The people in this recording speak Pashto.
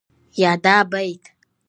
يا دا بيت